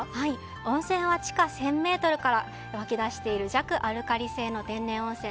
温泉は地下１０００ｍから湧き出している弱アルカリ性の天然温泉。